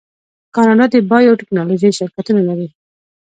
کاناډا د بایو ټیکنالوژۍ شرکتونه لري.